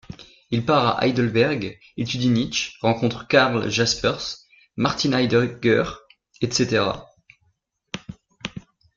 Il part à Heidelberg, étudie Nietzsche, rencontre Karl Jaspers, Martin Heidegger etc.